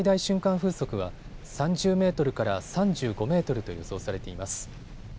風速は３０メートルから３５メートルと予想されています。